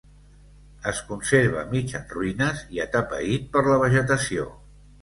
Es conserva mig en ruïnes i atapeït per la vegetació.